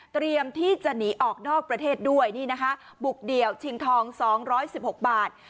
เตรียมที่จะหนีออกนอกประเทศด้วยนี่นะคะบุกเดี่ยวชิงทอง๒๑๖บาท